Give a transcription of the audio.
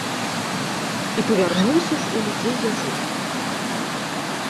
І павярнуўся ж у людзей язык!